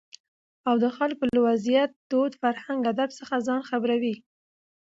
او دخلکو له وضعيت، دود، فرهنګ اداب څخه ځان خبروي.